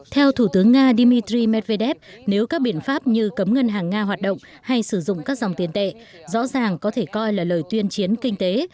theo thủ tướng nga dmitry medvedev nếu các biện pháp như cấm ngân hàng nga hoạt động hay sử dụng các dòng tiền tệ rõ ràng có thể coi là lời tuyên chiến kinh tế